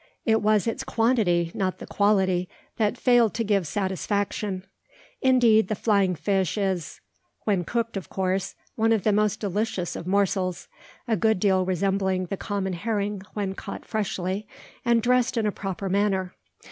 It was its quantity not the quality that failed to give satisfaction. Indeed the flying fish is (when cooked, of course) one of the most delicious of morsels, a good deal resembling the common herring when caught freshly, and dressed in a proper manner.